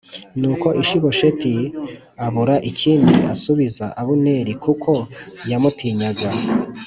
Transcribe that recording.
Nuko Ishibosheti abura ikindi asubiza Abuneri kuko yamutinyaga.